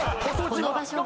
この場所は？